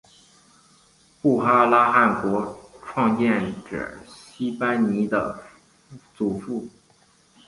布哈拉汗国创建者昔班尼的祖父。